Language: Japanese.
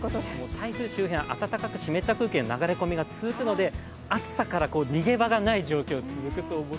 台風周辺、あたたかく湿った空気の流れ込みが続くので暑さから逃げ場がない状況です。